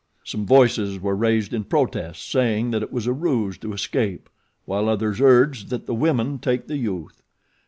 Some voices were raised in protest, saying that it was a ruse to escape, while others urged that the women take the youth.